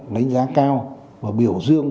đánh giá cao và biểu dương